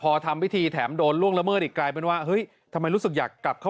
พระอาจารย์ออสบอกว่าอาการของคุณแป๋วผู้เสียหายคนนี้อาจจะเกิดจากหลายสิ่งประกอบกัน